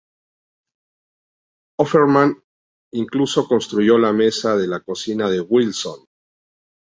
Offerman incluso construyó la mesa de la cocina de Wilson.